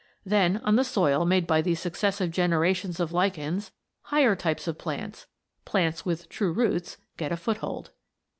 Then, on the soil made by these successive generations of lichens, higher types of plants plants with true roots get a foothold.